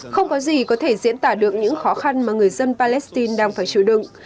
không có gì có thể diễn tả được những khó khăn mà người dân palestine đang phải chịu đựng